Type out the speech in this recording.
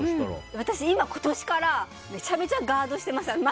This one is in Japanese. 私、今年からめちゃくちゃガードしてますよ。